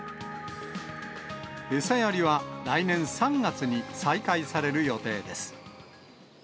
餌やりは、来年３月に再開される予定です。